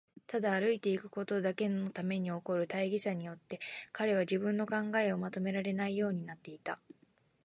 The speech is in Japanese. ただ歩いていくことだけのために起こる大儀さによって、彼は自分の考えをまとめられないようになっていた。